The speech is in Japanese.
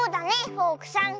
フォークさん。